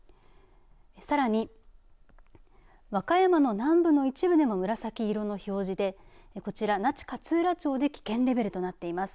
さらに、和歌山の南部の一部でも紫色の表示でこちら、那智勝浦町で危険レベルとなっています。